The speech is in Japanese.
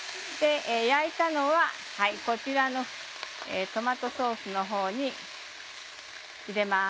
焼いたのはこちらのトマトソースのほうに入れます。